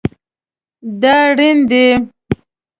دا ریڼ دی